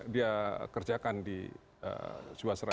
dia kerjakan di jiwasraya